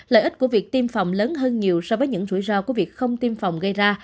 lợi ích của việc tiêm phòng lớn hơn nhiều so với những rủi ro của việc không tiêm phòng gây ra